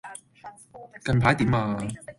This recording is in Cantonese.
近排點呀